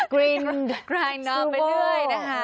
กรีนกรายนอมไปด้วยนะฮะ